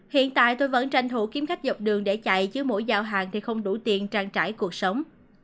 hiện tại tôi vẫn tranh thủ kiếm khách dọc đường để chạy chứ mỗi giao hàng thì không đủ tiền trang trải cuộc sống